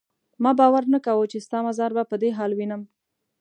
ما باور نه کاوه چې ستا مزار به په دې حال وینم.